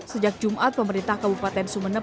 sejak jumat pemerintah kabupaten sumeneb